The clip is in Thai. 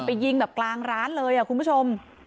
ยิงแบบกลางร้านเลยคุณผู้ชม